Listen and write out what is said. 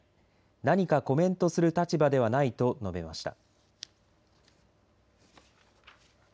何かコメントする立場ではないと述べました。